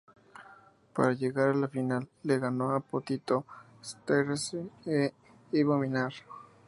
Para llegar a la final le ganó a Potito Starace e Ivo Minar.